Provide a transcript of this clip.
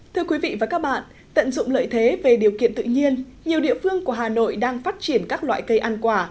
thưa quý vị và các bạn tận dụng lợi thế về điều kiện tự nhiên nhiều địa phương của hà nội đang phát triển các loại cây ăn quả